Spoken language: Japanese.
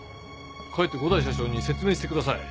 帰って五大社長に説明してください。